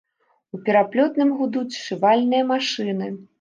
У пераплётным гудуць сшывальныя машыны.